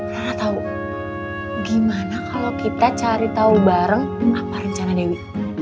karena tahu gimana kalau kita cari tahu bareng apa rencana dewi